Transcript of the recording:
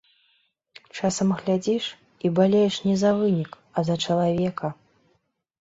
Часам глядзіш, і балееш не за вынік, а за чалавека.